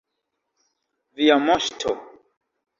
Via moŝto!